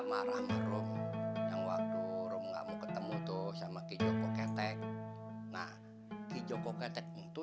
sama sama rom yang waktu rom gak mau ketemu tuh sama ki joko ketek nah ki joko ketek itu